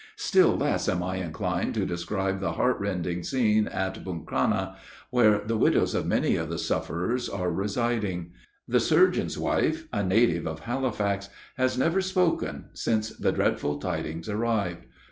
Still less am I inclined to describe the heart rending scene at Buncrana, where the widows of many of the sufferers are residing. The surgeon's wife, a native of Halifax, has never spoken since the dreadful tidings arrived.